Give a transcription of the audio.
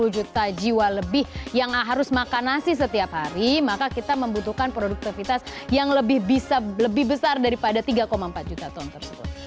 dua puluh juta jiwa lebih yang harus makan nasi setiap hari maka kita membutuhkan produktivitas yang lebih besar daripada tiga empat juta ton tersebut